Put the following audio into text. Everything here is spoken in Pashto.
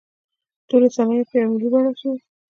ټولې صنایع په یوه بڼه ملي شوې.